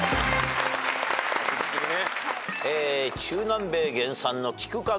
確実にね。